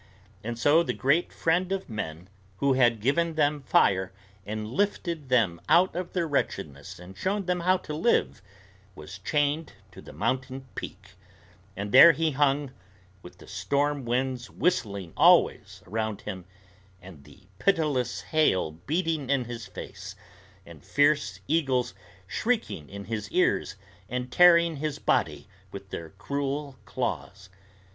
And so the great friend of men, who had given them fire and lifted them out of their wretchedness and shown them how to live, was chained to the mountain peak; and there he hung, with the storm winds whistling always around him, and the pitiless hail beating in his face, and fierce eagles shrieking in his ears and tearing his body with their cruel claws.